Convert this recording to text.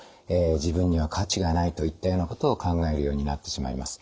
自分には価値がないといったようなことを考えるようになってしまいます。